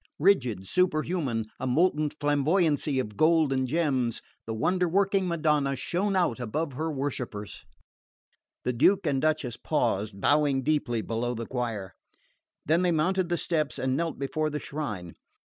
Rigid, superhuman, a molten flamboyancy of gold and gems, the wonder working Madonna shone out above her worshippers. The Duke and Duchess paused, bowing deeply, below the choir. Then they mounted the steps and knelt before the shrine.